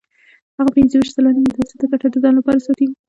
هغه پنځه ویشت سلنه متوسطه ګټه د ځان لپاره ساتي